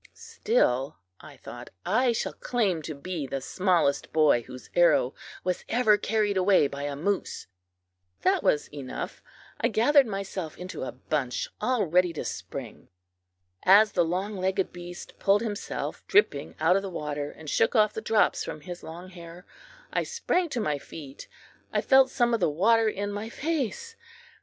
"Still," I thought, "I shall claim to be the smallest boy whose arrow was ever carried away by a moose." That was enough. I gathered myself into a bunch, all ready to spring. As the long legged beast pulled himself dripping out of the water, and shook off the drops from his long hair, I sprang to my feet. I felt some of the water in my face!